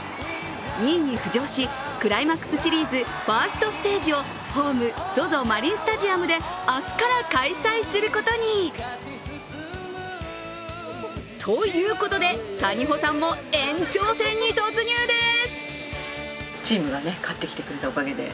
２位に浮上し、クライマックスシリーズファーストステージをホーム・ＺＯＺＯマリンスタジアムで明日から開催することに。ということで、谷保さんも延長戦に突入です。